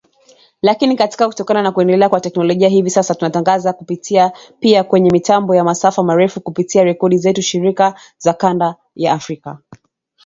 Lakini kutokana na kuendelea kwa teknolojia hivi sasa tunatangaza kupitia pia kwenye mitambo ya masafa marefu kupitia redio zetu shirika za kanda ya Afrika